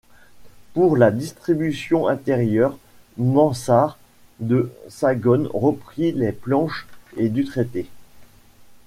Pour la distribution intérieure, Mansart de Sagonne repris les planches et du traité.